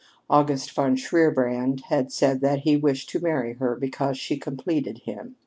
August von Shierbrand had said that he wished to marry her because she completed him.